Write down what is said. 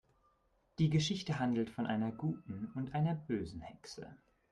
Die Geschichte handelt von einer guten und einer bösen Hexe.